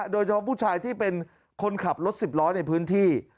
โดยเฉพาะผู้ชายที่เป็นคนขับรถสิบล้อในพื้นที่